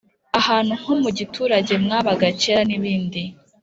ahantu nko mu giturage mwabaga kera, n’ibindi